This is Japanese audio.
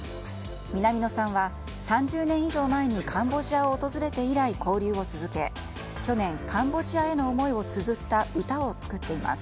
南野さんは３０年以上前にカンボジアを訪れて以来交流を続け、去年カンボジアへの思いをつづった歌を作っています。